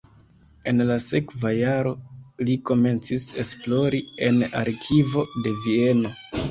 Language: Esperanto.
En la sekva jaro li komencis esplori en arkivo de Vieno.